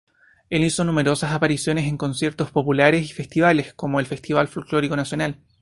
Él hizo numerosas apariciones en conciertos populares y festivales como el Festival Folklórico Nacional.